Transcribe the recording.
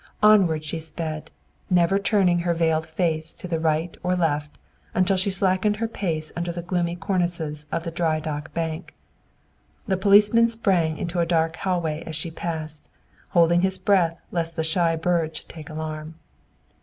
Onward she sped, never turning her veiled face to the right or left, until she slackened her pace under the gloomy cornices of the Dry Dock Bank. The policeman sprang into a dark hallway as she passed, holding his breath lest the shy bird should take alarm.